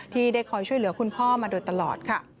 ที่ได้คอยช่วยเหลือคุณพ่อมาโดยตลอดค่ะ